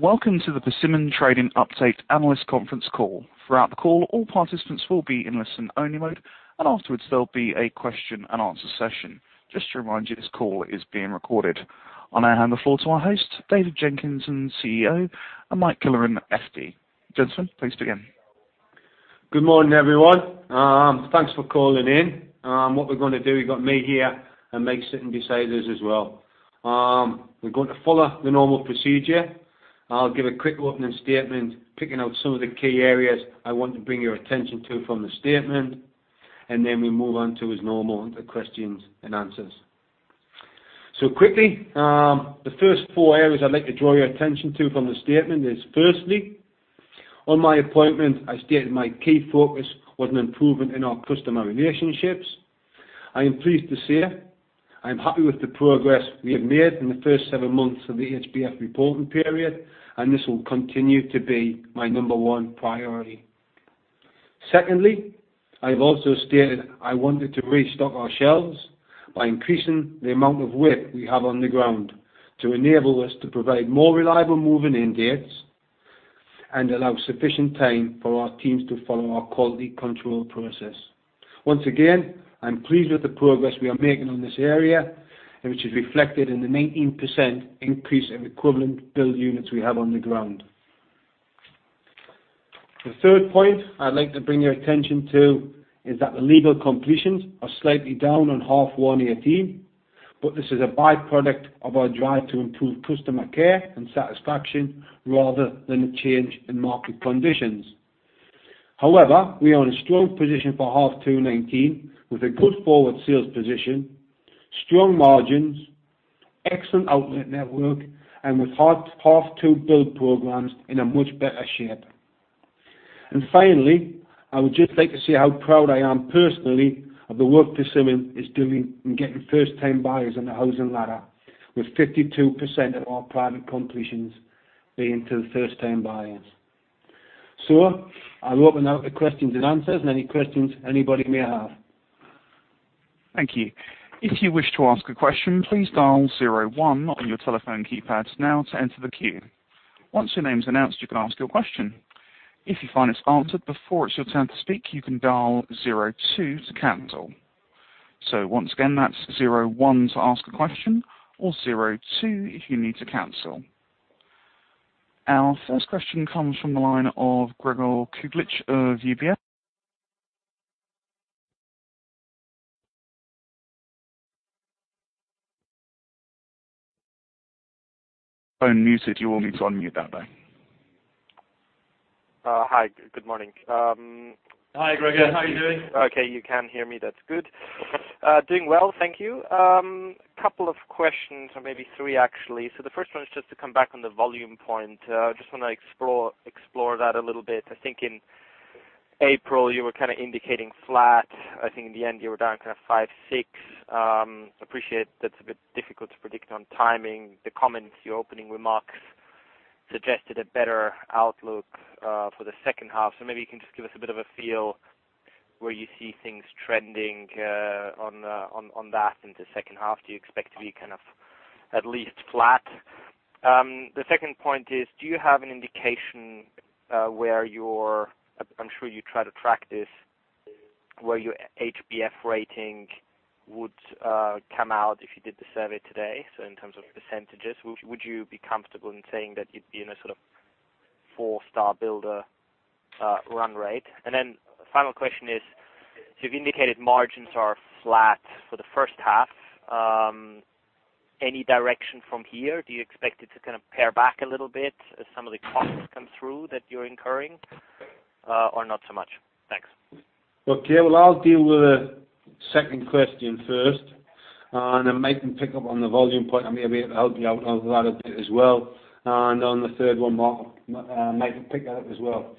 Welcome to the Persimmon Trading Update Analyst Conference Call. Throughout the call, all participants will be in listen-only mode, and afterwards there'll be a question and answer session. Just to remind you, this call is being recorded. I'll now hand the floor to our host, David Jenkinson, CEO, and Mike Killoran, FD. Gentlemen, please begin. Good morning, everyone. Thanks for calling in. What we're going to do, we've got me here, and Mike sitting beside us as well. We're going to follow the normal procedure. I'll give a quick opening statement, picking out some of the key areas I want to bring your attention to from the statement, and then we move on to, as normal, the questions and answers. Quickly, the first four areas I'd like to draw your attention to from the statement is, firstly, on my appointment, I stated my key focus was an improvement in our customer relationships. I am pleased to say I am happy with the progress we have made in the first seven months of the HBF reporting period, and this will continue to be my number one priority. Secondly, I have also stated I wanted to restock our shelves by increasing the amount of work we have on the ground to enable us to provide more reliable moving in dates and allow sufficient time for our teams to follow our quality control process. Once again, I am pleased with the progress we are making on this area, and which is reflected in the 18% increase in equivalent build units we have on the ground. The third point I'd like to bring your attention to is that the legal completions are slightly down on half one 2018, this is a by-product of our drive to improve customer care and satisfaction rather than a change in market conditions. However, we are in a strong position for half two, 2019 with a good forward sales position, strong margins, excellent outlet network, and with half two build programs in a much better shape. Finally, I would just like to say how proud I am personally of the work Persimmon is doing in getting first-time buyers on the housing ladder, with 52% of our private completions being to the first-time buyers. I'll open now with the questions and answers and any questions anybody may have. Thank you. If you wish to ask a question, please dial zero one on your telephone keypads now to enter the queue. Once your name's announced, you can ask your question. If you find it's answered before it's your turn to speak, you can dial zero two to cancel. Once again, that's zero one to ask a question or zero two if you need to cancel. Our first question comes from the line of Gregor Kuglitsch of UBS. Phone muted. You will need to unmute that line. Hi. Good morning. Hi, Gregor. How are you doing? Okay, you can hear me. That's good. Doing well. Thank you. Couple of questions or maybe three, actually. The first one is just to come back on the volume point. Just want to explore that a little bit. I think in April, you were kind of indicating flat. I think in the end, you were down kind of five, six. Appreciate that's a bit difficult to predict on timing. The comments, your opening remarks suggested a better outlook for the second half. Maybe you can just give us a bit of a feel where you see things trending on that in the second half. Do you expect to be kind of at least flat? The second point is, do you have an indication where I'm sure you try to track this, where your HBF rating would come out if you did the survey today, so in terms of percentages? Would you be comfortable in saying that you'd be in a sort of four-star builder run rate? Final question is, you've indicated margins are flat for the first half. Any direction from here? Do you expect it to kind of pare back a little bit as some of the costs come through that you're incurring, or not so much? Thanks. Well, I'll deal with the second question first, Mike can pick up on the volume point, and may be able to help you out on that a bit as well. On the third one, Mike can pick that up as well.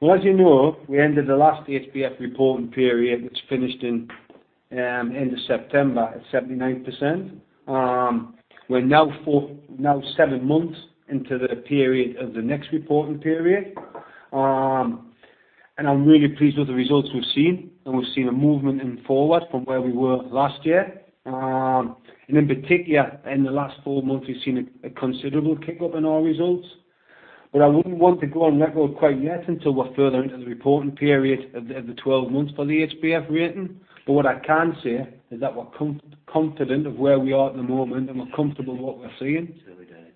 Well, as you know, we ended the last HBF reporting period, which finished in end of September, at 79%. We're now seven months into the period of the next reporting period, I'm really pleased with the results we've seen, we've seen a movement in forward from where we were last year. In particular, in the last four months, we've seen a considerable kick up in our results. I wouldn't want to go on record quite yet until we're further into the reporting period of the 12 months for the HBF rating. What I can say is that we're confident of where we are at the moment, and we're comfortable with what we're seeing. It's early days.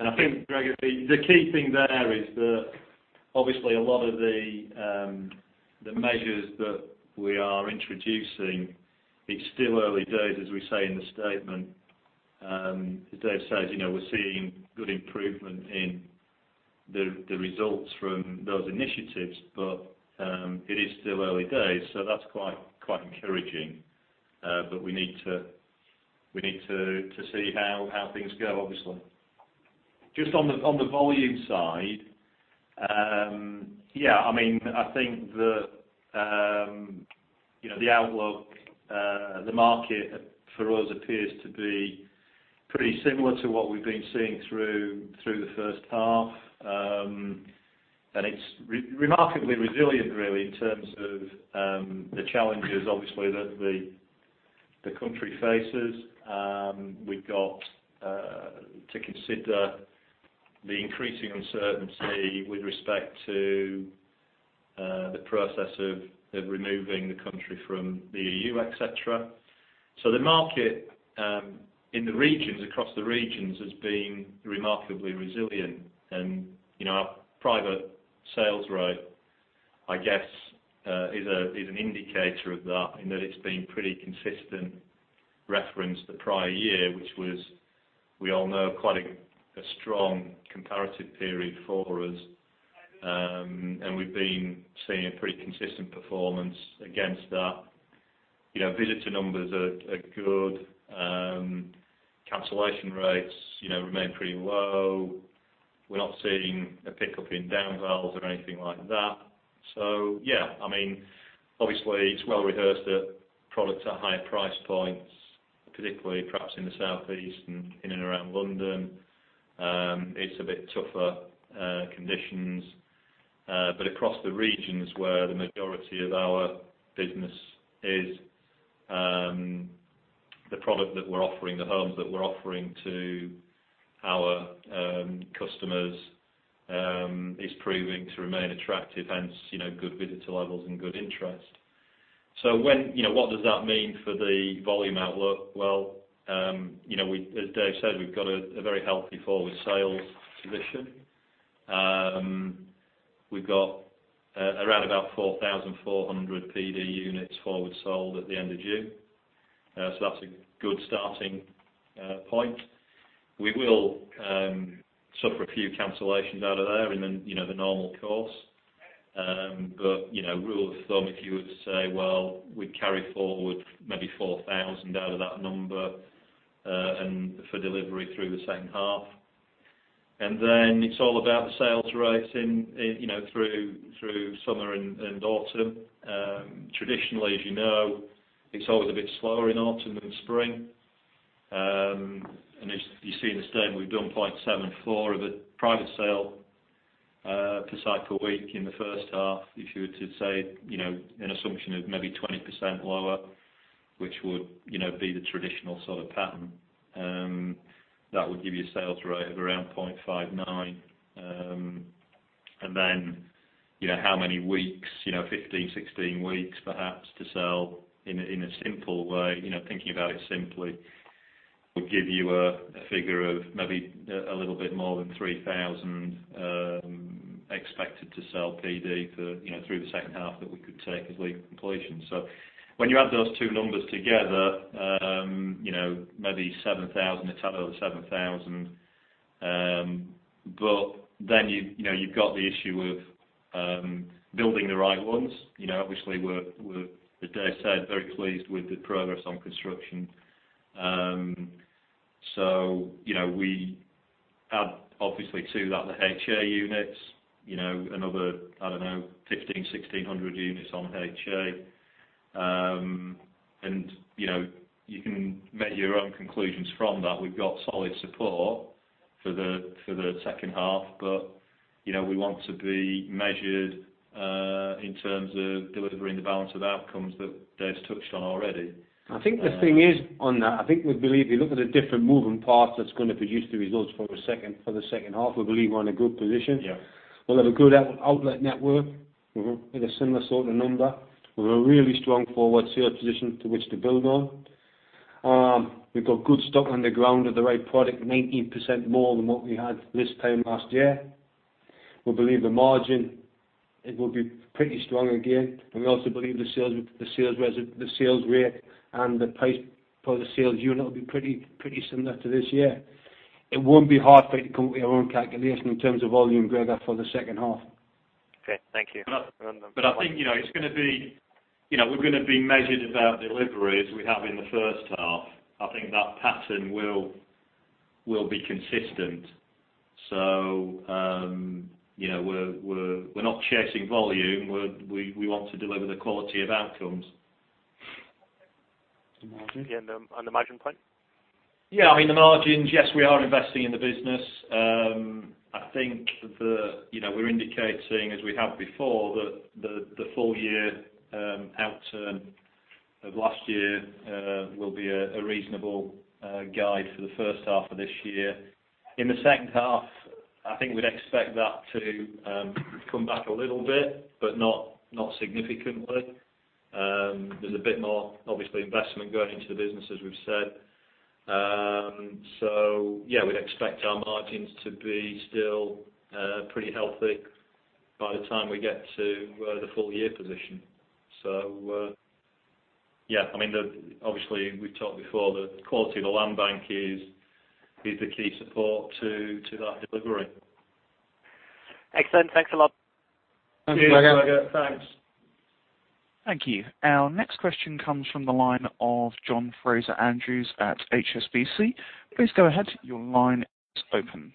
I think, Gregor, the key thing there is that obviously a lot of the measures that we are introducing, it's still early days, as we say in the statement. As Dave says, we're seeing good improvement in the results from those initiatives. It is still early days, so that's quite encouraging. We need to see how things go, obviously. On the volume side, I think the outlook, the market for us appears to be pretty similar to what we've been seeing through the first half. It's remarkably resilient, really, in terms of the challenges, obviously, that the country faces. We've got to consider the increasing uncertainty with respect to the process of removing the country from the EU, et cetera. The market in the regions, across the regions, has been remarkably resilient. Our private sales rate, I guess, is an indicator of that, in that it's been pretty consistent referenced the prior year, which was, we all know, quite a strong comparative period for us. We've been seeing a pretty consistent performance against that. Visitor numbers are good. Cancellation rates remain pretty low. We're not seeing a pickup in downsells or anything like that. Yeah. Obviously, it's well rehearsed that products are at higher price points, particularly perhaps in the southeast and in and around London. It's a bit tougher conditions. Across the regions, where the majority of our business is, the product that we're offering, the homes that we're offering to our customers, is proving to remain attractive, hence, good visitor levels and good interest. What does that mean for the volume outlook? Well, as Dave said, we've got a very healthy forward sales position. We've got around about 4,400 PD units forward sold at the end of June. That's a good starting point. We will suffer a few cancellations out of there in the normal course. Rule of thumb, if you were to say, well, we'd carry forward maybe 4,000 out of that number and for delivery through the second half. It's all about the sales rate through summer and autumn. Traditionally, as you know, it's always a bit slower in autumn than spring. As you see in the statement, we've done 0.74 of a private sale per site per week in the first half. If you were to say an assumption of maybe 20% lower, which would be the traditional sort of pattern, that would give you a sales rate of around 0.59. How many weeks, 15, 16 weeks perhaps, to sell in a simple way, thinking about it simply, would give you a figure of maybe a little bit more than 3,000 expected to sell PD through the second half that we could take as legal completion. When you add those two numbers together, maybe 7,000, a total of 7,000. You've got the issue of building the right ones. Obviously, we're, as Dave said, very pleased with the progress on construction. We add obviously to that the HA units, another, I don't know, 1,500, 1,600 units on HA. You can make your own conclusions from that. We've got solid support for the second half. We want to be measured in terms of delivering the balance of outcomes that Dave's touched on already. I think the thing is on that, I think if you look at the different moving parts that's going to produce the results for the second half, we believe we're in a good position. Yeah. We'll have a good outlet network. with a similar sort of number. With a really strong forward sales position to which to build on. We've got good stock on the ground of the right product, 19% more than what we had this time last year. We believe the margin, it will be pretty strong again. We also believe the sales rate and the price for the sales unit will be pretty similar to this year. It won't be hard for you to come up with your own calculation in terms of volume, Gregor, for the second half. Okay. Thank you. I think we're going to be measured about delivery as we have in the first half. I think that pattern will be consistent. We're not chasing volume. We want to deliver the quality of outcomes. Margins. The margin point? The margins, we are investing in the business. I think we're indicating, as we have before, that the full year outturn of last year will be a reasonable guide for the first half of this year. In the second half, I think we'd expect that to come back a little bit, but not significantly. There's a bit more, obviously, investment going into the business, as we've said. We'd expect our margins to be still pretty healthy by the time we get to the full year position. Obviously we've talked before, the quality of the land bank is the key support to that delivery. Excellent. Thanks a lot. Thanks Gregor. Cheers Gregor. Thanks. Thank you. Our next question comes from the line of John Fraser-Andrews at HSBC. Please go ahead. Your line is open.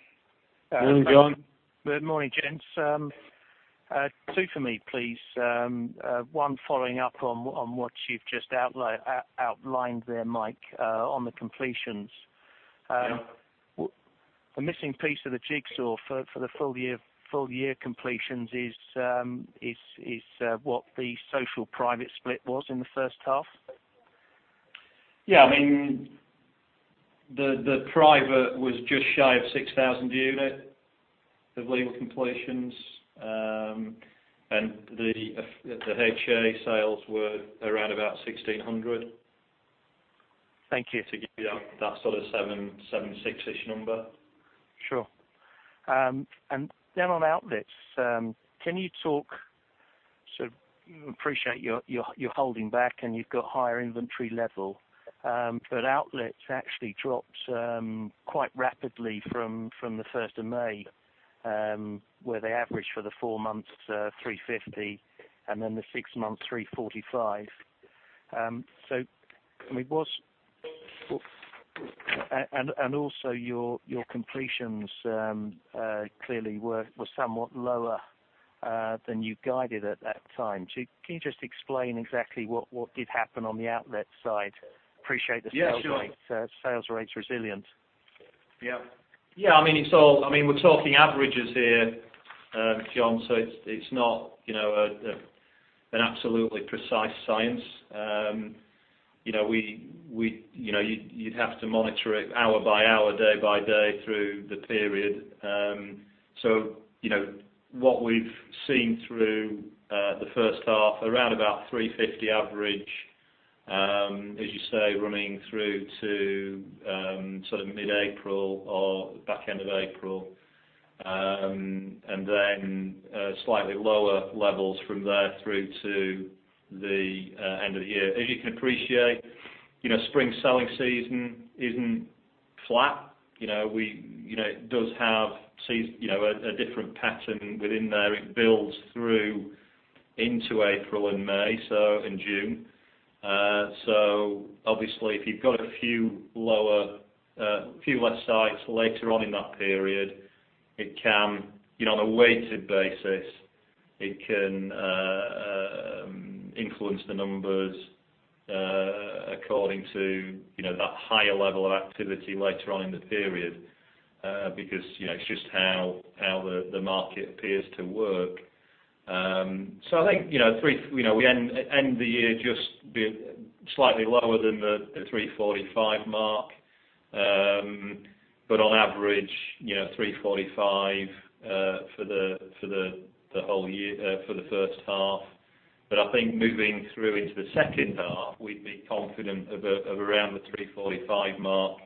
Morning, John. Good morning, gents. Two for me, please. One following up on what you've just outlined there, Mike, on the completions. The missing piece of the jigsaw for the full year completions is what the social private split was in the first half? Yeah. The private was just shy of 6,000 unit of legal completions. The HA sales were around about 1,600. Thank you. To give you that sort of seven, six-ish number. Sure. Then on outlets, can you talk, appreciate you're holding back and you've got higher inventory level. Outlets actually dropped quite rapidly from the 1st of May, where they averaged for the four months to 350, and then the six months, 345. Also your completions clearly were somewhat lower than you guided at that time. Can you just explain exactly what did happen on the outlet side? Yeah, sure sales rate resilience. Yeah. We're talking averages here, John, so it's not an absolutely precise science. You'd have to monitor it hour by hour, day by day through the period. What we've seen through the first half, around about 350 average, as you say, running through to mid April or back end of April, and then slightly lower levels from there through to the end of the year. As you can appreciate, spring selling season isn't flat. It does have a different pattern within there. It builds through into April and May, so in June. Obviously, if you've got a few less sites later on in that period, on a weighted basis, it can influence the numbers according to that higher level of activity later on in the period, because it's just how the market appears to work. I think, we end the year just slightly lower than the 345 mark. On average, 345 for the first half. I think moving through into the second half, we'd be confident of around the 345 mark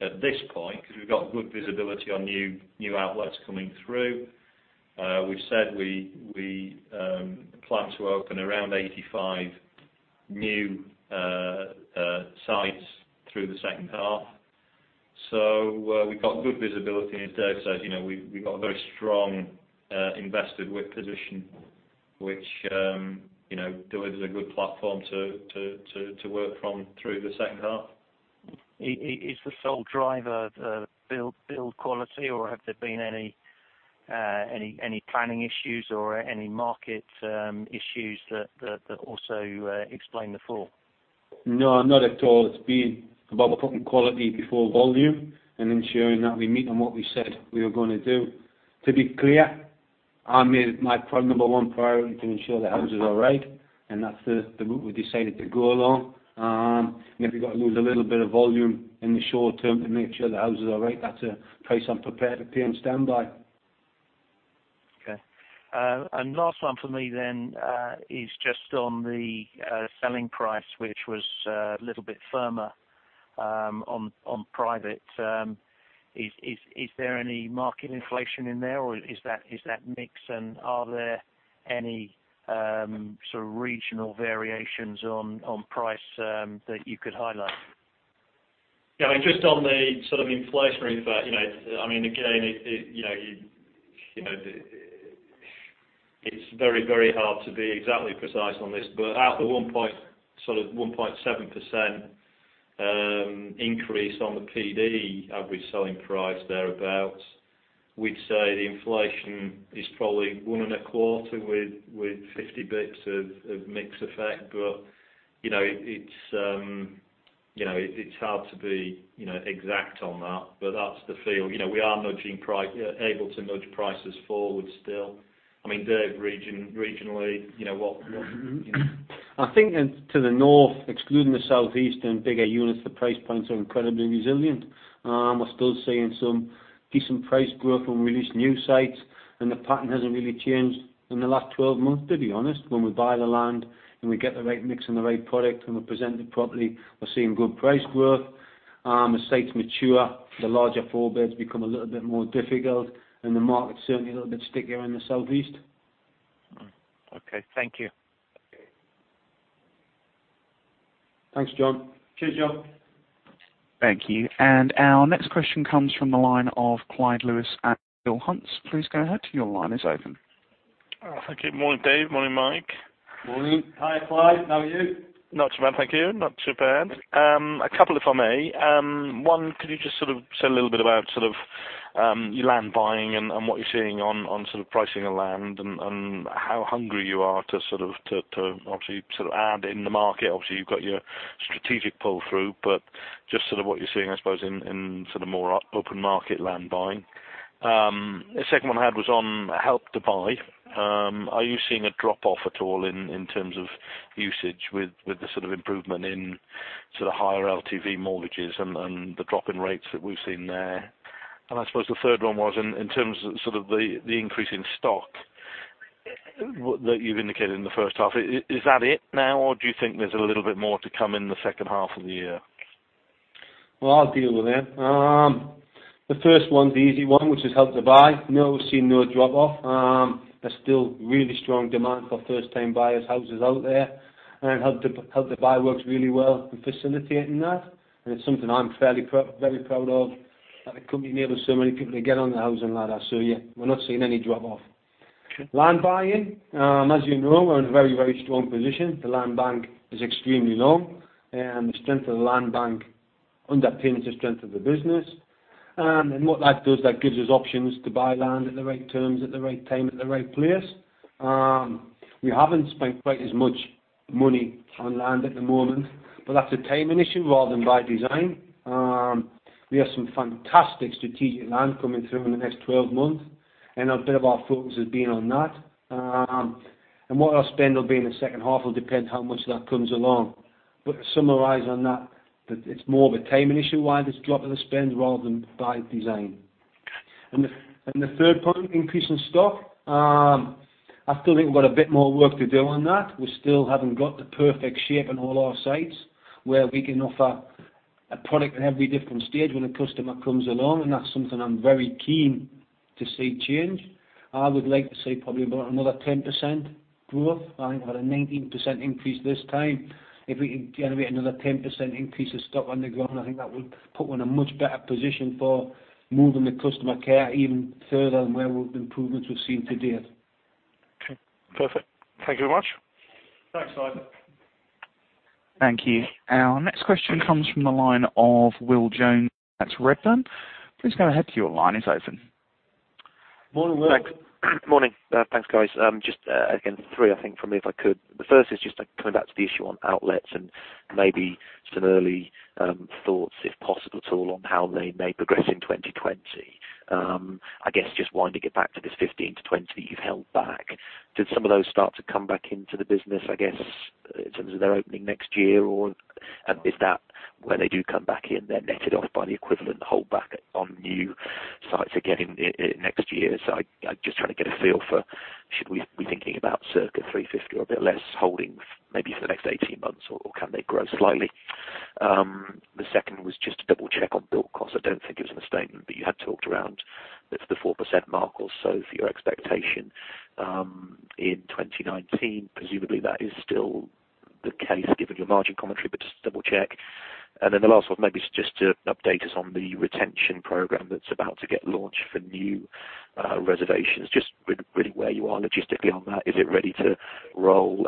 at this point, because we've got good visibility on new outlets coming through. We've said we plan to open around 85 new sites through the second half. We've got good visibility, and as Dave says, we've got a very strong invested whip position, which delivers a good platform to work from through the second half. Is the sole driver the build quality, or have there been any planning issues or any market issues that also explain the fall? No, not at all. It's been about putting quality before volume and ensuring that we meet on what we said we were going to do. To be clear, I made my number one priority to ensure the houses are right, and that's the route we decided to go along. If you've got to lose a little bit of volume in the short term to make sure the house is all right, that's a price I'm prepared to pay and stand by. Okay. Last one for me then is just on the selling price, which was a little bit firmer on private. Is there any market inflation in there, or is that mix, and are there any sort of regional variations on price that you could highlight? Just on the sort of inflationary, I mean, again, it's very, very hard to be exactly precise on this. At the sort of 1.7% increase on the PD average selling price thereabout, we'd say the inflation is probably one and a quarter with 50 bits of mix effect. It's hard to be exact on that, but that's the feel. We are able to nudge prices forward still. Dave, regionally, what- I think to the north, excluding the Southeast and bigger units, the price points are incredibly resilient. I'm still seeing some decent price growth on released new sites, and the pattern hasn't really changed in the last 12 months, to be honest. When we buy the land and we get the right mix and the right product and we present it properly, we're seeing good price growth. As sites mature, the larger four beds become a little bit more difficult, and the market's certainly a little bit stickier in the Southeast. Okay. Thank you. Okay. Thanks, John. Cheers, John. Thank you. Our next question comes from the line of Clyde Lewis at Peel Hunt. Please go ahead. Your line is open. Thank you. Morning, Dave. Morning, Mike. Morning. Hi, Clyde. How are you? Not too bad, thank you. Not too bad. A couple, if I may. One, could you just sort of say a little bit about sort of your land buying and what you're seeing on pricing of land and how hungry you are to obviously add in the market. Obviously, you've got your strategic pull-through, but just what you're seeing, I suppose, in more open market land buying. The second one I had was on Help to Buy. Are you seeing a drop-off at all in terms of usage with the improvement in higher LTV mortgages and the drop in rates that we've seen there? I suppose the third one was in terms of the increase in stock that you've indicated in the first half. Is that it now, or do you think there's a little bit more to come in the second half of the year? I'll deal with them. The first one is the easy one, which is Help to Buy. No, we've seen no drop-off. There's still really strong demand for first-time buyers' houses out there, and Help to Buy works really well in facilitating that. It's something I'm very proud of, that the company enabled so many people to get on the housing ladder. Yeah, we're not seeing any drop-off. Land buying. As you know, we're in a very, very strong position. The land bank is extremely low, and the strength of the land bank underpins the strength of the business. What that does, that gives us options to buy land at the right terms, at the right time, at the right place. We haven't spent quite as much money on land at the moment, but that's a timing issue rather than by design. We have some fantastic strategic land coming through in the next 12 months, and a bit of our focus has been on that. What our spend will be in the second half will depend how much that comes along. To summarize on that it's more of a timing issue why there's a drop in the spend rather than by design. The third point, increase in stock. I still think we've got a bit more work to do on that. We still haven't got the perfect shape on all our sites where we can offer a product at every different stage when a customer comes along, and that's something I'm very keen to see change. I would like to see probably about another 10% growth. I think we've had a 19% increase this time. If we can generate another 10% increase of stock on the ground, I think that would put me in a much better position for moving the customer care even further than where with the improvements we've seen to date. Okay. Perfect. Thank you very much. Thanks, Clyde. Thank you. Our next question comes from the line of William Jones at Redburn. Please go ahead. Your line is open. Morning, Will. Thanks. Morning. Thanks, guys. Just again, three, I think from me, if I could. The first is just coming back to the issue on outlets and maybe some early thoughts, if possible at all, on how they may progress in 2020. I guess just winding it back to this 15-20 you've held back. Did some of those start to come back into the business, I guess, in terms of their opening next year, or is that where they do come back in, they're netted off by the equivalent holdback on new sites again in next year? I'm just trying to get a feel for should we be thinking about circa 350 or a bit less holding maybe for the next 18 months, or can they grow slightly? The second was just to double-check on built cost. I don't think it was in the statement, but you had talked around the 4% mark or so for your expectation in 2019. Presumably, that is still the case, given your margin commentary, but just to double-check. The last one, maybe just to update us on the retention program that's about to get launched for new reservations. Just really where you are logistically on that. Is it ready to roll?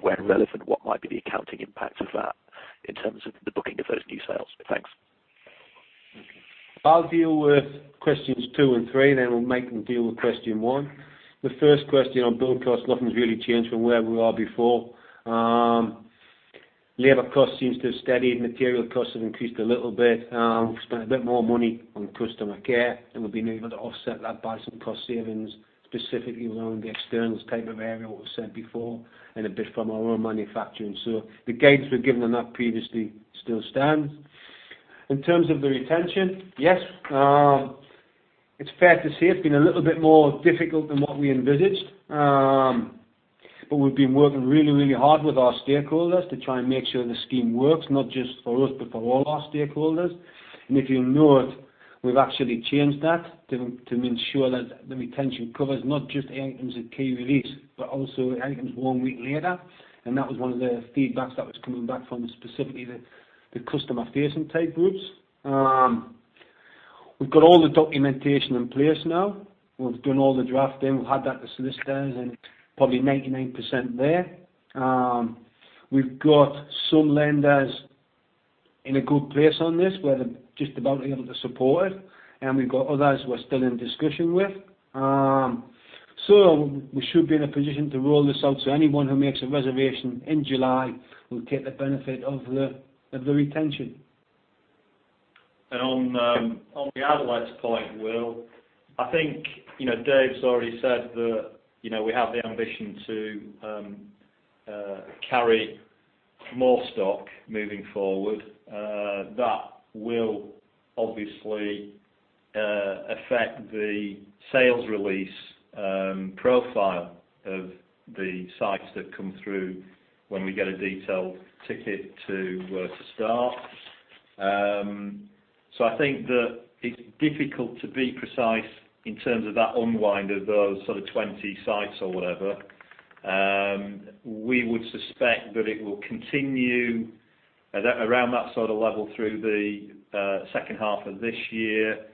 Where relevant, what might be the accounting impact of that in terms of the booking of those new sales? Thanks. I'll deal with questions two and three, then we'll make them deal with question one. The first question on build cost, nothing's really changed from where we were before. Labor cost seems to have steadied. Material costs have increased a little bit. We've spent a bit more money on customer care, and we've been able to offset that by some cost savings, specifically around the externals type of area what was said before and a bit from our own manufacturing. The guidance we'd given on that previously still stands. In terms of the retention, yes, it's fair to say it's been a little bit more difficult than what we envisaged. We've been working really hard with our stakeholders to try and make sure the scheme works, not just for us, but for all our stakeholders. If you'll note, we've actually changed that to ensure that the retention covers not just anything that's at key release, but also anything that's one week later. That was one of the feedbacks that was coming back from specifically the customer-facing type groups. We've got all the documentation in place now. We've done all the drafting. We've had that to solicitors and probably 99% there. We've got some lenders in a good place on this where they're just about able to support it, and we've got others we're still in discussion with. We should be in a position to roll this out so anyone who makes a reservation in July will get the benefit of the retention. On the outlets point, Will, I think Dave's already said that we have the ambition to carry more stock moving forward. That will obviously affect the sales release profile of the sites that come through when we get a detailed ticket to start. I think that it's difficult to be precise in terms of that unwind of those sort of 20 sites or whatever. We would suspect that it will continue around that sort of level through the second half of this year,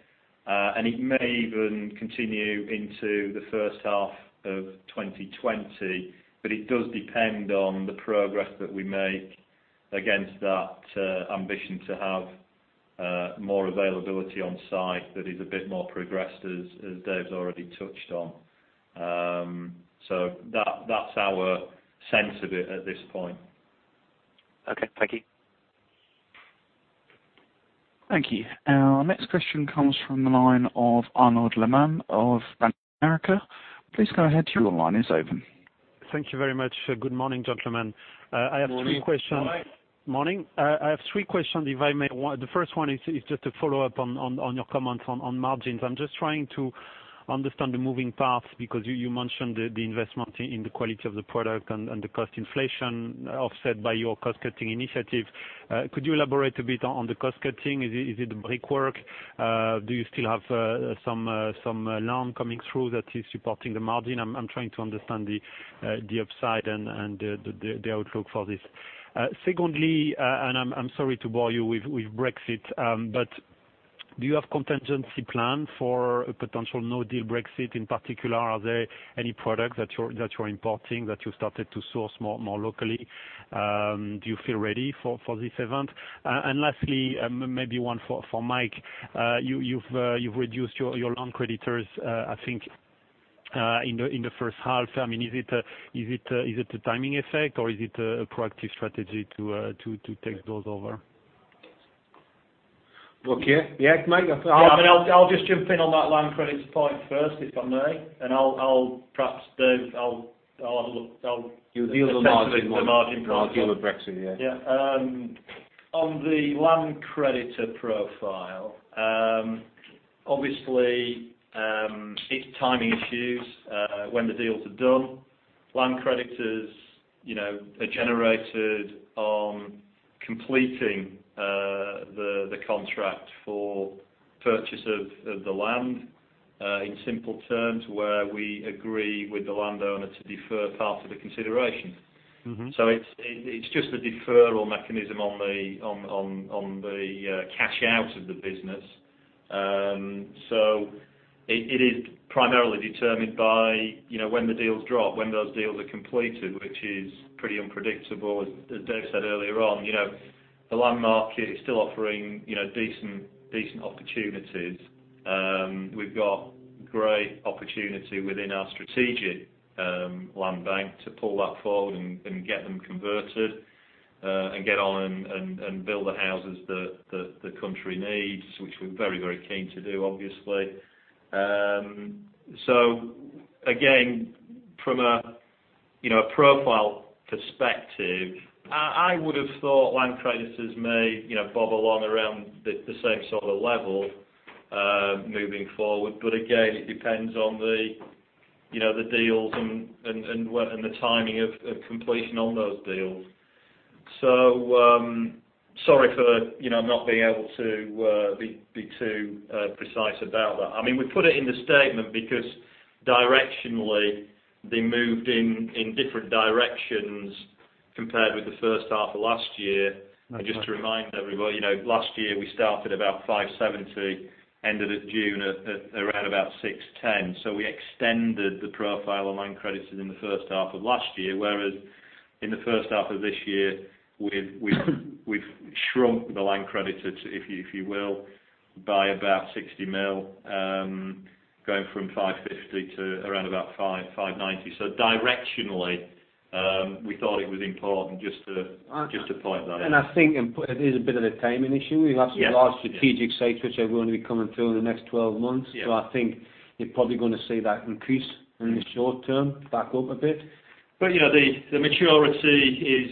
and it may even continue into the first half of 2020. It does depend on the progress that we make against that ambition to have more availability on site that is a bit more progressed, as Dave's already touched on. That's our sense of it at this point. Okay. Thank you. Thank you. Our next question comes from the line of Arnaud Lehmann of Bank of America. Please go ahead. Your line is open. Thank you very much. Good morning, gentlemen. Morning. Morning. I have three questions, if I may. The first one is just a follow-up on your comments on margins. I'm just trying to understand the moving parts, because you mentioned the investment in the quality of the product and the cost inflation offset by your cost-cutting initiative. Could you elaborate a bit on the cost cutting? Is it the brickwork? Do you still have some land coming through that is supporting the margin? I'm trying to understand the upside and the outlook for this. Secondly, I'm sorry to bore you with Brexit, do you have contingency plans for a potential no-deal Brexit in particular? Are there any products that you're importing that you started to source more locally? Do you feel ready for this event? Lastly, maybe one for Mike. You've reduced your land creditors, I think, in the first half. Is it a timing effect, or is it a proactive strategy to take those over? Okay. Yeah. Mike? I'll just jump in on that land credits point first, if I may. Perhaps Dave, I'll have a look. You deal with the margin one. The margin part. I'll deal with Brexit. Yeah. Yeah. On the land creditor profile, obviously, it's timing issues when the deals are done. Land creditors are generated on completing the contract for purchase of the land, in simple terms, where we agree with the landowner to defer part of the consideration. It's just a deferral mechanism on the cash out of the business. It is primarily determined by when the deals drop, when those deals are completed, which is pretty unpredictable. As Dave said earlier on, the land market is still offering decent opportunities. We've got great opportunity within our strategic land bank to pull that forward and get them converted, and get on and build the houses that the country needs, which we're very keen to do, obviously. Again, from a profile perspective, I would have thought land creditors may bob along around the same sort of level moving forward. But again, it depends on the deals and the timing of completion on those deals. Sorry for not being able to be too precise about that. We put it in the statement because directionally they moved in different directions compared with the first half of last year. Okay. Just to remind everybody, last year we started about 570 million, ended at June at around about 610 million. We extended the profile on land credits in the first half of last year, whereas in the first half of this year, we've shrunk the land credits, if you will, by about 60 million, going from 550 million to around about 590 million. Directionally, we thought it was important just to point that out. I think it is a bit of a timing issue. We have some large strategic sites which are going to be coming through in the next 12 months. I think you're probably going to see that increase in the short term, back up a bit. The maturity is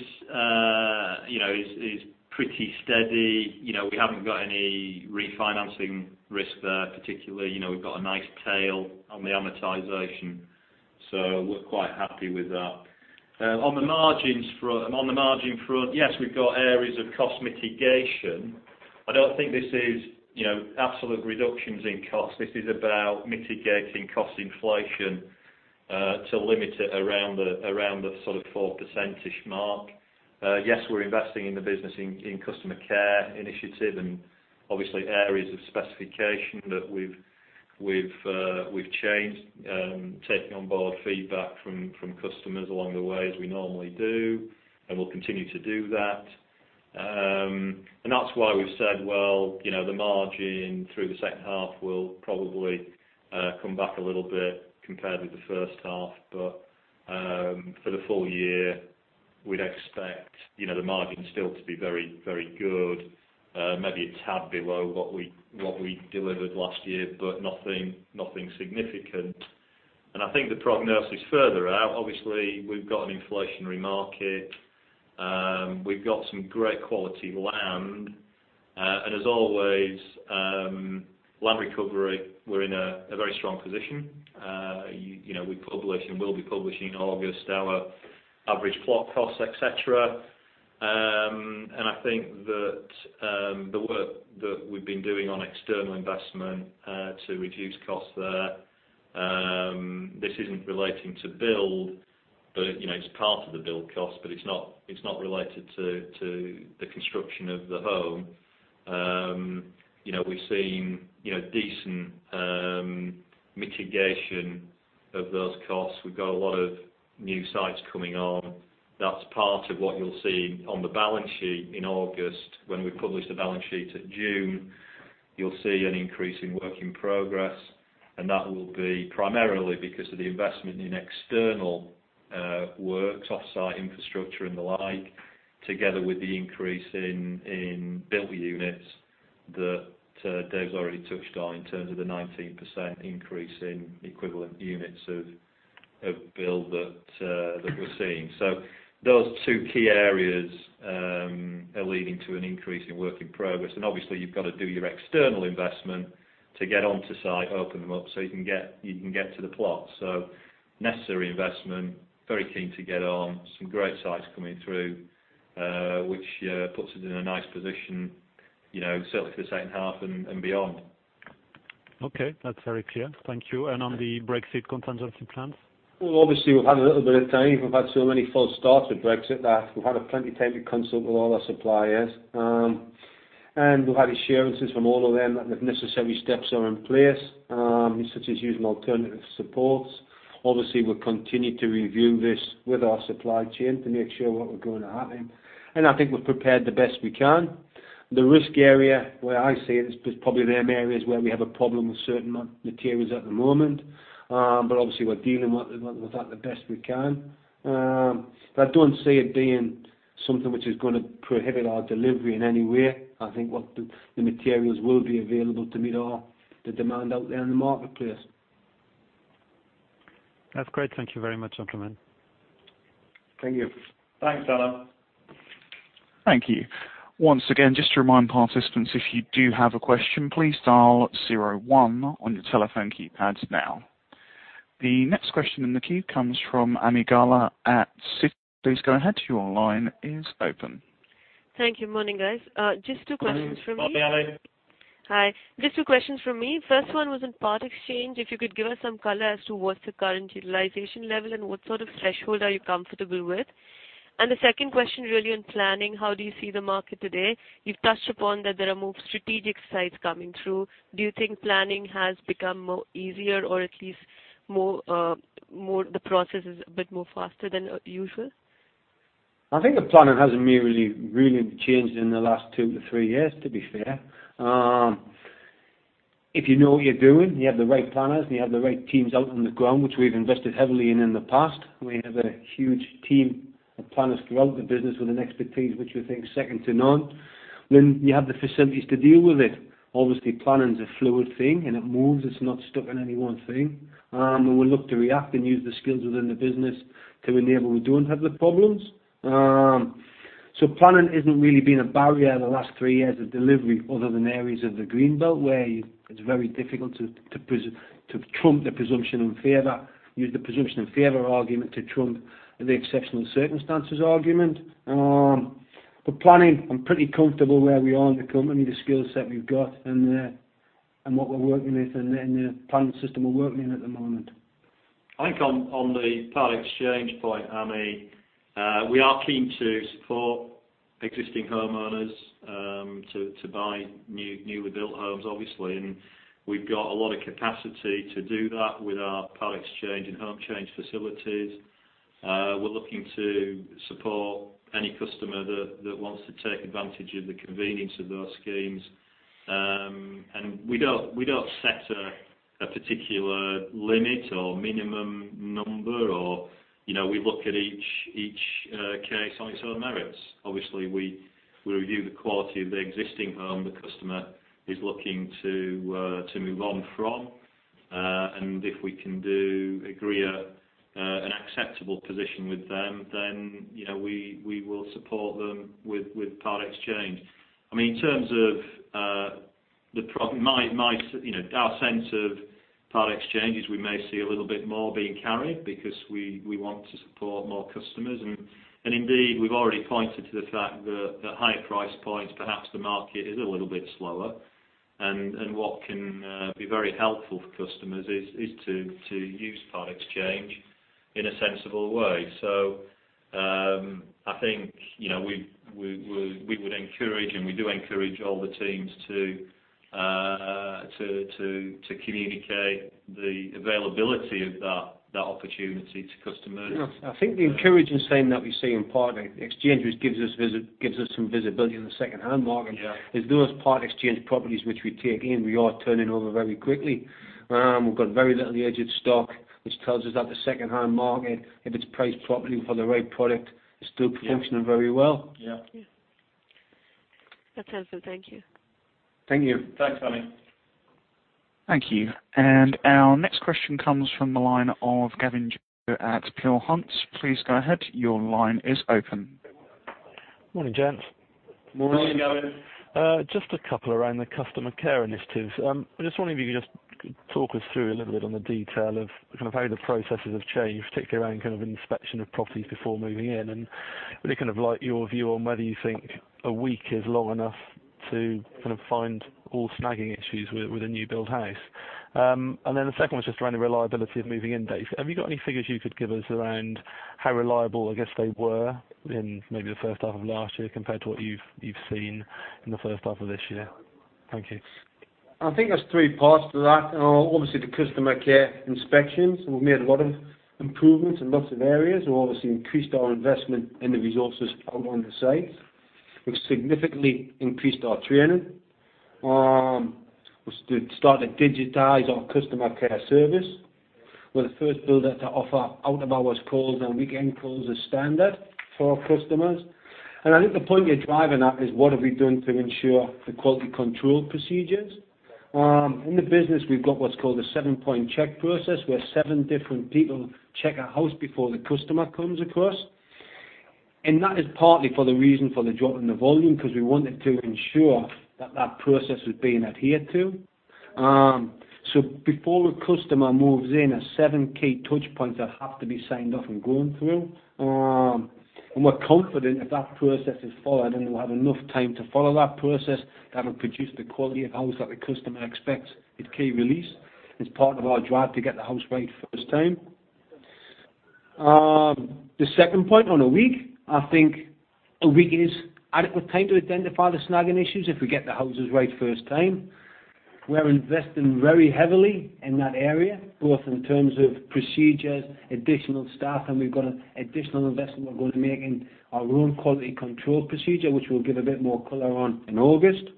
pretty steady. We haven't got any refinancing risk there particularly. We've got a nice tail on the amortization. We're quite happy with that. On the margin front, yes, we've got areas of cost mitigation. I don't think this is absolute reductions in cost. This is about mitigating cost inflation to limit it around the 4% mark. Yes, we're investing in the business in customer care initiative and obviously areas of specification that we've changed, taking on board feedback from customers along the way, as we normally do, and we'll continue to do that. That's why we've said the margin through the second half will probably come back a little bit compared with the first half. For the full year, we'd expect the margin still to be very good. Maybe a tad below what we delivered last year, but nothing significant. I think the prognosis further out, obviously, we've got an inflationary market. We've got some great quality land. As always, land recovery, we're in a very strong position. We publish and will be publishing in August our average plot costs, et cetera. I think that the work that we've been doing on external investment to reduce costs there, this isn't relating to build. It's part of the build cost, but it's not related to the construction of the home. We've seen decent mitigation of those costs, we've got a lot of new sites coming on. That's part of what you'll see on the balance sheet in August. When we published the balance sheet in June, you'll see an increase in work in progress, and that will be primarily because of the investment in external works, offsite infrastructure and the like, together with the increase in built units that Dave's already touched on in terms of the 19% increase in equivalent units of build that we're seeing. Those two key areas are leading to an increase in work in progress, and obviously you've got to do your external investment to get onto site, open them up, so you can get to the plot. Necessary investment, very keen to get on. Some great sites coming through, which puts us in a nice position certainly for the second half and beyond. Okay. That's very clear. Thank you. On the Brexit contingency plans? Well, obviously, we've had a little bit of time. We've had so many false starts with Brexit that we've had plenty time to consult with all our suppliers. We've had assurances from all of them that the necessary steps are in place, such as using alternative supports. Obviously, we'll continue to review this with our supply chain to make sure what we're going to happen. I think we've prepared the best we can. The risk area where I see it is probably them areas where we have a problem with certain materials at the moment. Obviously, we're dealing with that the best we can. I don't see it being something which is going to prohibit our delivery in any way. I think what the materials will be available to meet all the demand out there in the marketplace. That's great. Thank you very much, gentlemen. Thank you. Thanks, Arnaud. Thank you. Once again, just to remind participants, if you do have a question, please dial zero one on your telephone keypads now. The next question in the queue comes from Ami Galla at. Please go ahead. Your line is open. Thank you. Morning, guys. Just two questions from me. Morning, Ami. Hi. Just two questions from me. First one was on Part Exchange. If you could give us some color as to what's the current utilization level and what sort of threshold are you comfortable with? The second question really on planning, how do you see the market today? You've touched upon that there are more strategic sites coming through. Do you think planning has become more easier or at least the process is a bit more faster than usual? I think the planning hasn't really changed in the last two to three years, to be fair. If you know what you're doing, you have the right planners, and you have the right teams out on the ground, which we've invested heavily in in the past. We have a huge team of planners throughout the business with an expertise which we think is second to none. When you have the facilities to deal with it, obviously planning is a fluid thing, and it moves. It's not stuck in any one thing. We look to react and use the skills within the business to enable we don't have the problems. Planning isn't really been a barrier the last three years of delivery other than areas of the Green Belt, where it's very difficult to trump the presumption in favor, use the presumption in favor argument to trump the exceptional circumstances argument. Planning, I'm pretty comfortable where we are in the company, the skill set we've got, and what we're working with and the planning system we're working in at the moment. I think on the Part Exchange point, Ami, we are keen to support existing homeowners to buy newly built homes, obviously, and we've got a lot of capacity to do that with our Part Exchange and Home Change facilities. We're looking to support any customer that wants to take advantage of the convenience of those schemes. We don't set a particular limit or minimum number. We look at each case on its own merits. Obviously, we review the quality of the existing home the customer is looking to move on from. If we can agree an acceptable position with them, then we will support them with Part Exchange. In terms of our sense of Part Exchange is we may see a little bit more being carried because we want to support more customers. Indeed, we've already pointed to the fact that at higher price points, perhaps the market is a little bit slower. What can be very helpful for customers is to use Part Exchange in a sensible way. I think we would encourage, and we do encourage all the teams to communicate the availability of that opportunity to customers. I think the encouraging thing that we see in Part Exchange, which gives us some visibility in the secondhand market. Yeah is those Part Exchange properties which we take in, we are turning over very quickly. We've got very little aged stock, which tells us that the secondhand market, if it's priced properly for the right product, is still functioning very well. Yeah. That's helpful. Thank you. Thank you. Thanks, Ami. Thank you. Our next question comes from the line of Gavin at Peel Hunt. Please go ahead. Your line is open. Morning, gents. Morning. Morning, Gavin. Just a couple around the customer care initiatives. I'm just wondering if you could just talk us through a little bit on the detail of kind of how the processes have changed, particularly around kind of inspection of properties before moving in, and really kind of like your view on whether you think a week is long enough to kind of find all snagging issues with a new build house. Then the second one is just around the reliability of moving in date. Have you got any figures you could give us around how reliable, I guess, they were in maybe the first half of last year compared to what you've seen in the first half of this year? Thank you. I think there's three parts to that. Obviously, the customer care inspections. We've made a lot of improvements in lots of areas. We obviously increased our investment in the resources out on the sites. We've significantly increased our training. We started to digitize our customer care service. We're the first builder to offer out-of-hours calls and weekend calls as standard for our customers. I think the point you're driving at is what have we done to ensure the quality control procedures. In the business, we've got what's called a seven-point check process, where seven different people check a house before the customer comes, of course. That is partly for the reason for the drop in the volume, because we wanted to ensure that that process was being adhered to. Before a customer moves in, there are seven key touch points that have to be signed off and gone through. We're confident if that process is followed, and we'll have enough time to follow that process, that'll produce the quality of house that the customer expects at key release. It's part of our drive to get the house right first time. The second point, on a week, I think a week is adequate time to identify the snagging issues if we get the houses right first time. We're investing very heavily in that area, both in terms of procedures, additional staff, and we've got additional investment we're going to make in our own quality control procedure, which we'll give a bit more color on in August.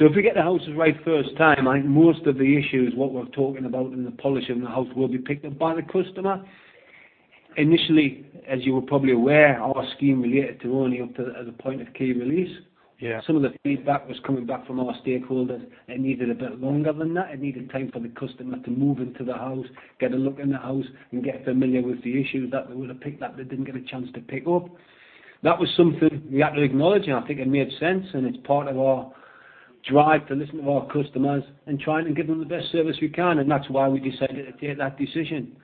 If we get the houses right first time, I think most of the issues, what we're talking about in the polishing of the house, will be picked up by the customer. Initially, as you were probably aware, our scheme related to only up to the point of key release. Yeah. Some of the feedback was coming back from our stakeholders. It needed a bit longer than that. It needed time for the customer to move into the house, get a look in the house, and get familiar with the issues that they would have picked up they didn't get a chance to pick up. That was something we had to acknowledge, and I think it made sense, and it's part of our drive to listen to our customers and try and give them the best service we can. That's why we decided to take that decision.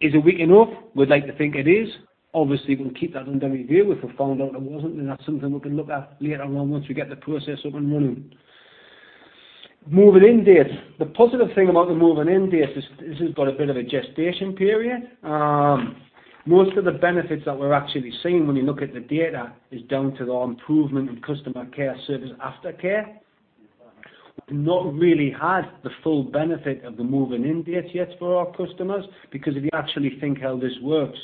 Is a week enough? We'd like to think it is. Obviously, we'll keep that under review. If we found out it wasn't, then that's something we can look at later on once we get the process up and running. Moving in date. The positive thing about the moving in date is this has got a bit of a gestation period. Most of the benefits that we're actually seeing when you look at the data is down to our improvement in customer care service aftercare. We've not really had the full benefit of the moving in date yet for our customers, because if you actually think how this works,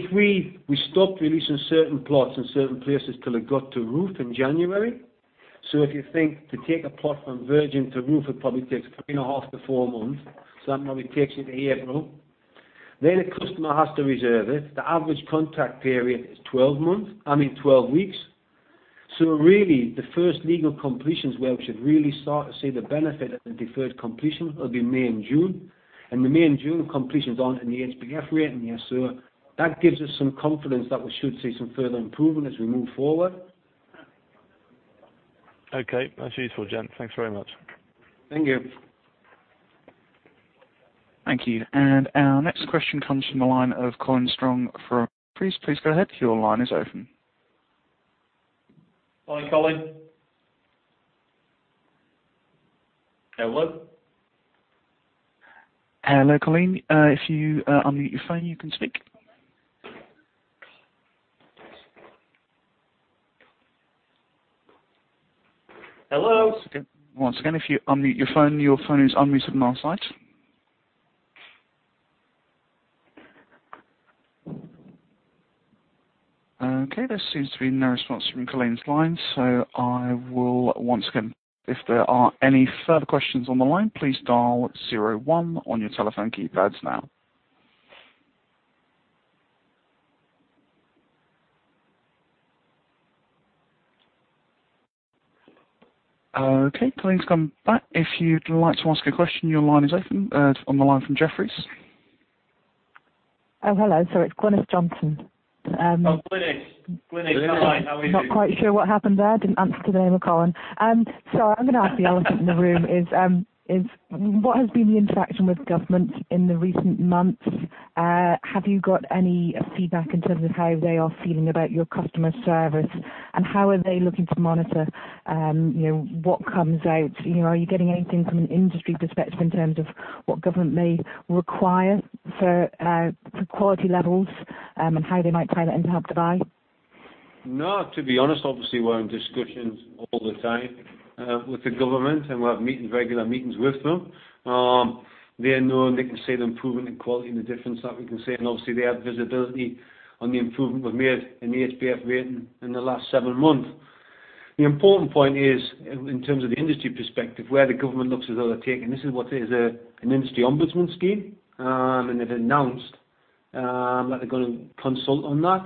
we stopped releasing certain plots in certain places till it got to roof in January. If you think to take a plot from virgin to roof, it probably takes three and a half to four months. That probably takes you to April. A customer has to reserve it. The average contract period is 12 weeks. Really, the first legal completions where we should really start to see the benefit of the deferred completion will be May and June. The May and June completions aren't in the HBF rating yet. That gives us some confidence that we should see some further improvement as we move forward. Okay. That's useful, Dave. Thanks very much. Thank you. Thank you. Our next question comes from the line of Colleen Strong from Jefferies. Please go ahead. Your line is open. Hi, Colleen. Hello? Hello, Colleen. If you unmute your phone, you can speak. Hello? Once again, if you unmute your phone. Your phone is unmuted from our side. There seems to be no response from Colleen's line. I will once again, if there are any further questions on the line, please dial zero one on your telephone keypads now. Colleen's come back. If you'd like to ask a question, your line is open. On the line from Jefferies. Hello. Sorry. It's Glynis Johnson. Glynis. Glynis, hi. How are you? Not quite sure what happened there. Didn't answer to the name of Colleen. I'm going to ask the elephant in the room is, what has been the interaction with government in the recent months? Have you got any feedback in terms of how they are feeling about your customer service, and how are they looking to monitor what comes out? Are you getting anything from an industry perspective in terms of what government may require for quality levels, and how they might tie that into Help to Buy? No, to be honest, obviously, we're in discussions all the time with the government. We have regular meetings with them. They know, and they can see the improvement in quality and the difference that we can see. Obviously, they have visibility on the improvement we've made in the HBF rating in the last seven months. The important point is, in terms of the industry perspective, where the government looks as though they're taking this is what is an industry ombudsman scheme. They've announced that they're going to consult on that,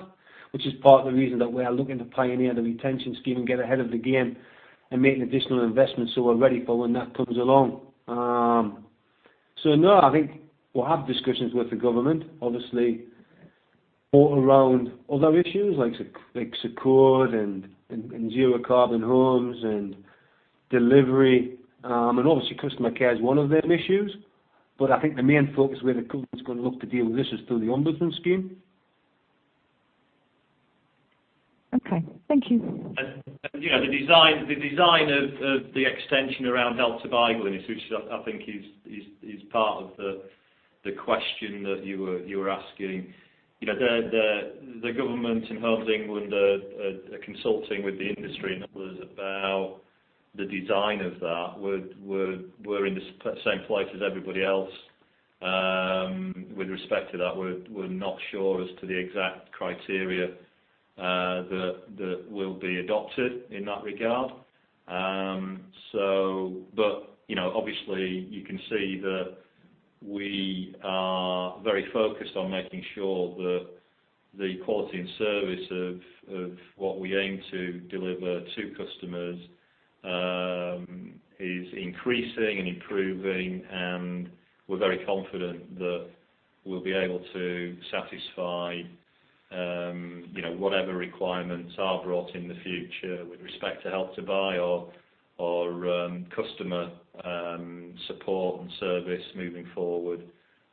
which is part of the reason that we are looking to pioneer the retention scheme and get ahead of the game and make an additional investment so we're ready for when that comes along. No, I think we'll have discussions with the government, obviously, more around other issues like SECUR and zero carbon homes and delivery. Obviously, customer care is one of their issues. I think the main focus where the government's going to look to deal with this is through the ombudsman scheme. Okay. Thank you. The design of the extension around Help to Buy, Glynis, which I think is part of the. The question that you were asking. The government in housing and consulting with the industry and others about the design of that. We're in the same place as everybody else with respect to that. We're not sure as to the exact criteria that will be adopted in that regard. Obviously, you can see that we are very focused on making sure that the quality and service of what we aim to deliver to customers is increasing and improving, and we're very confident that we'll be able to satisfy whatever requirements are brought in the future with respect to Help to Buy or customer support and service moving forward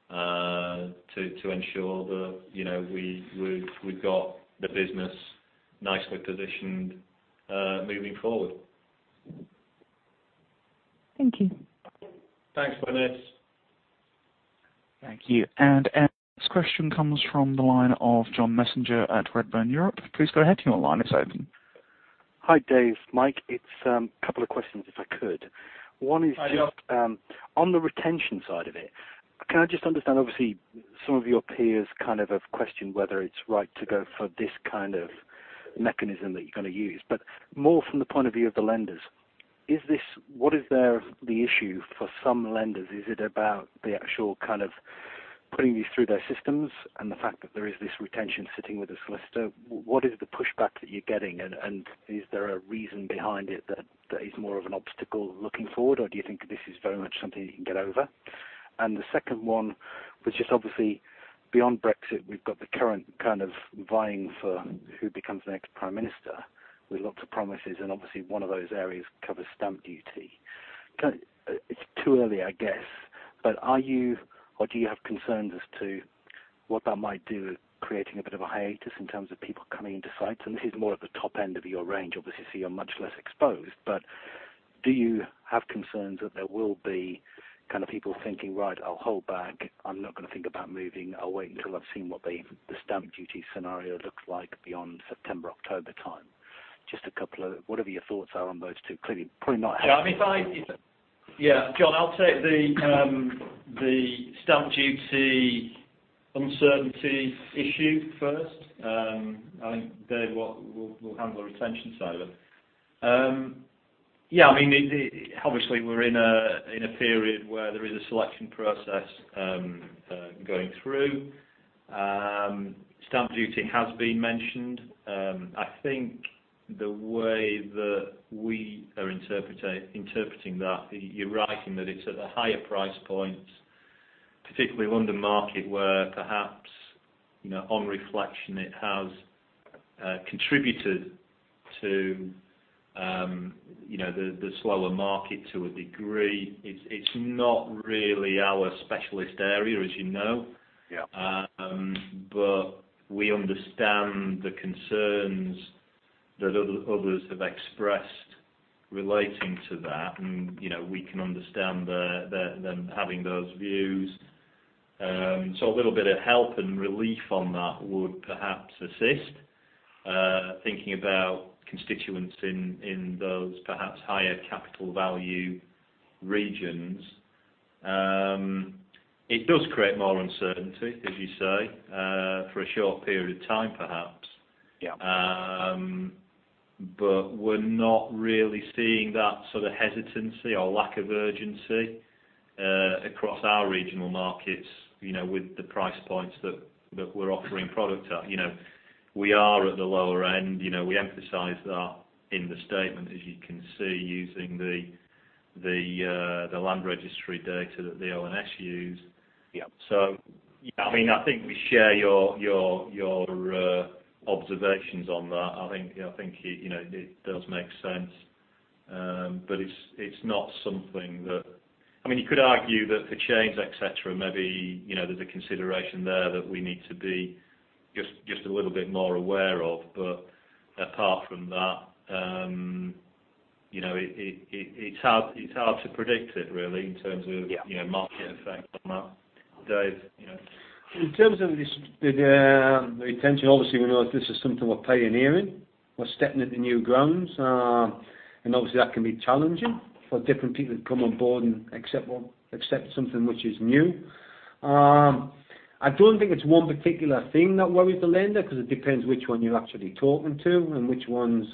to ensure that we've got the business nicely positioned moving forward. Thank you. Thanks, Glynis. Thank you. Our next question comes from the line of John Messenger at Redburn Europe. Please go ahead. Your line is open. Hi, Dave, Mike. It's a couple of questions, if I could. Hi, John. on the retention side of it. Can I just understand, obviously, some of your peers kind of have questioned whether it's right to go for this kind of mechanism that you're going to use, but more from the point of view of the lenders. What is the issue for some lenders? Is it about the actual kind of putting these through their systems and the fact that there is this retention sitting with a solicitor? What is the pushback that you're getting, and is there a reason behind it that is more of an obstacle looking forward, or do you think this is very much something you can get over? The second one, which is obviously beyond Brexit, we've got the current kind of vying for who becomes the next prime minister with lots of promises, and obviously, one of those areas covers stamp duty. It's too early, I guess, but are you or do you have concerns as to what that might do with creating a bit of a hiatus in terms of people coming into sites? This is more at the top end of your range. Obviously, you're much less exposed. Do you have concerns that there will be kind of people thinking, "Right, I'll hold back. I'm not going to think about moving. I'll wait until I've seen what the stamp duty scenario looks like beyond September, October time." Just a couple of whatever your thoughts are on those two. Yeah. John, I'll take the stamp duty uncertainty issue first. I think Dave will handle the retention side of it. Obviously, we're in a period where there is a selection process going through. Stamp duty has been mentioned. I think the way that we are interpreting that, you're right in that it's at the higher price points, particularly London market, where perhaps on reflection, it has contributed to the slower market to a degree. It's not really our specialist area, as you know. Yeah. We understand the concerns that others have expressed relating to that, and we can understand them having those views. A little bit of help and relief on that would perhaps assist. Thinking about constituents in those perhaps higher capital value regions. It does create more uncertainty, as you say, for a short period of time, perhaps. Yeah. We're not really seeing that sort of hesitancy or lack of urgency across our regional markets, with the price points that we're offering product at. We are at the lower end. We emphasize that in the statement, as you can see, using the HM Land Registry data that the ONS use. Yeah. I think we share your observations on that. I think it does make sense. It's not something that You could argue that for chains, et cetera, maybe there's a consideration there that we need to be just a little bit more aware of. Apart from that, it's hard to predict it really in terms of- Yeah market effect on that. Dave? In terms of this, the retention, obviously, we know that this is something we're pioneering. We're stepping into new grounds. Obviously, that can be challenging for different people to come on board and accept something which is new. I don't think it's one particular thing that worries the lender, because it depends which one you're actually talking to and which ones,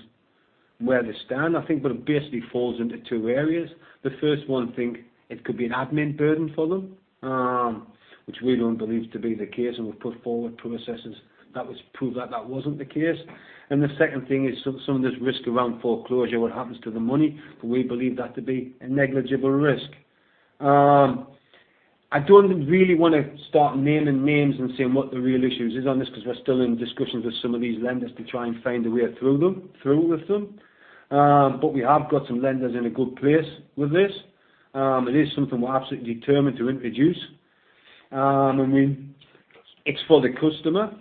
where they stand, I think. It basically falls into two areas. The first one think it could be an admin burden for them, which we don't believe to be the case, and we've put forward processes that would prove that that wasn't the case. The second thing is some of this risk around foreclosure, what happens to the money? We believe that to be a negligible risk. I don't really want to start naming names and saying what the real issues is on this, because we're still in discussions with some of these lenders to try and find a way through with them. We have got some lenders in a good place with this. It is something we're absolutely determined to introduce. It's for the customer.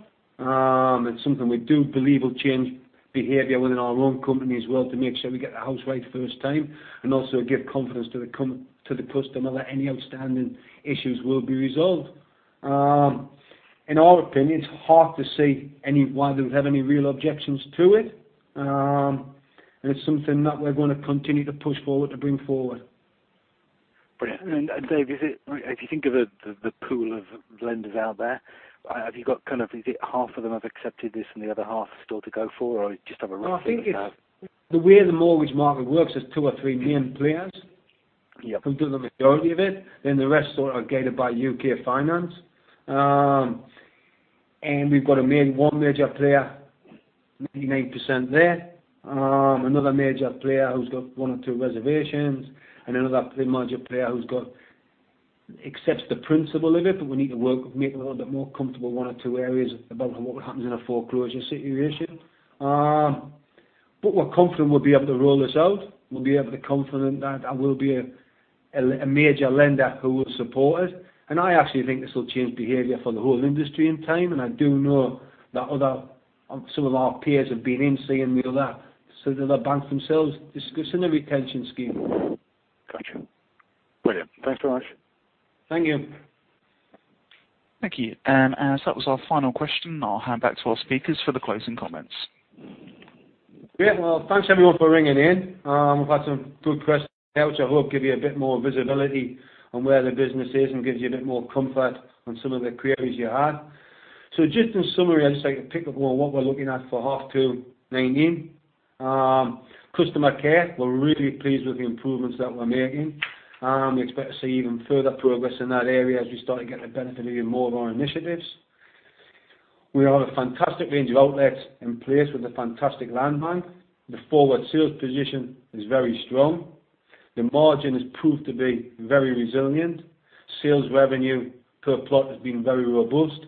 It's something we do believe will change behavior within our own company as well to make sure we get the house right first time, and also give confidence to the customer that any outstanding issues will be resolved. In our opinion, it's hard to see why they would have any real objections to it. It's something that we're going to continue to push forward, to bring forward. Brilliant. Dave, if you think of the pool of lenders out there, have you got kind of, is it half of them have accepted this and the other half have still to go for, or just have a rough idea of that? I think it's the way the mortgage market works is two or three main players- Yeah who do the majority of it, the rest are gated by UK Finance. We've got to meet one major player, maybe 9% there. Another major player who's got one or two reservations, another major player who accepts the principle of it, we need to work, make them a little bit more comfortable, one or two areas about what happens in a foreclosure situation. We're confident we'll be able to roll this out. We'll be able to confident that that will be a major lender who will support us. I actually think this will change behavior for the whole industry in time, I do know that some of our peers have been in seeing all that. The banks themselves discussing a retention scheme. Got you. Brilliant. Thanks very much. Thank you. Thank you. As that was our final question, I'll hand back to our speakers for the closing comments. Well, thanks, everyone, for ringing in. We've had some good questions here, which I hope give you a bit more visibility on where the business is and gives you a bit more comfort on some of the queries you had. Just in summary, I'd just like to pick up on what we're looking at for half 2 2019. Customer care, we're really pleased with the improvements that we're making. We expect to see even further progress in that area as we start to get the benefit of even more of our initiatives. We have a fantastic range of outlets in place with a fantastic land bank. The forward sales position is very strong. The margin has proved to be very resilient. Sales revenue per plot has been very robust.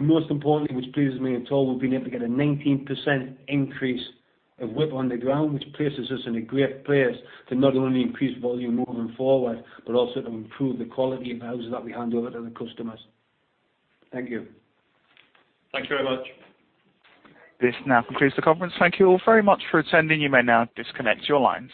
Most importantly, which pleases me at all, we've been able to get a 19% increase of WIP on the ground, which places us in a great place to not only increase volume moving forward, but also to improve the quality of houses that we hand over to the customers. Thank you. Thanks very much. This now concludes the conference. Thank you all very much for attending. You may now disconnect your lines.